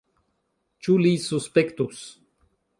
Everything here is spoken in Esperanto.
Ĉu li suspektus?